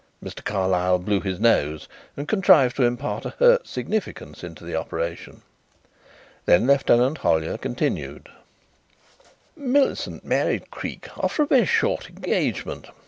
Mr. Carlyle blew his nose and contrived to impart a hurt significance into the operation. Then Lieutenant Hollyer continued: "Millicent married Creake after a very short engagement.